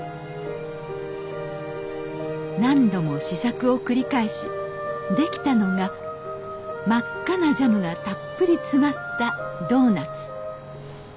何度も試作を繰り返し出来たのが真っ赤なジャムがたっぷり詰まったドーナツ。